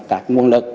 các trường hợp này